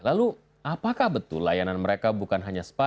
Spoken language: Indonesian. lalu apakah betul layanan mereka bukan hanya spa